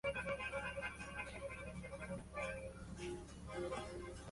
Ha colaborado con la International Yehudi Menuhin Foundation.